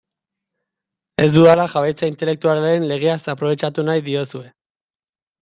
Ez dudala jabetza intelektualaren legeaz aprobetxatu nahi diozue.